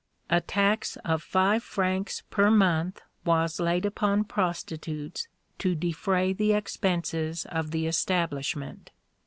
A tax of five francs per month was laid upon prostitutes to defray the expenses of the establishment.